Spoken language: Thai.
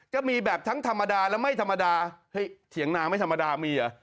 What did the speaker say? จะมีแบบทั้งธรรมดาและไม่ธรรมดาเฮ้ยเถียงนาไม่ธรรมดามีเหรอ